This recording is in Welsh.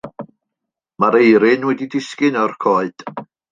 Mae'r eirin wedi disgyn o'r coed.